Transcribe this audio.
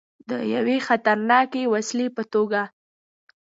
د یوې خطرناکې وسلې په توګه.